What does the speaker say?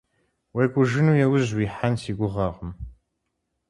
УекӀужыну яужь уихьэн си гугъэкъым.